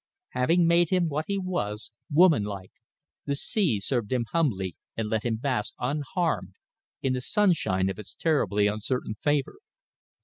Having made him what he was, womanlike, the sea served him humbly and let him bask unharmed in the sunshine of its terribly uncertain favour.